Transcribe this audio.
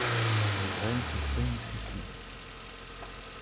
Les graines sont très nutritives.